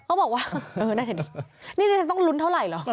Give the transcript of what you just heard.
เขาบอกว่านี่จะต้องลุ้นเท่าไหร่เหรอ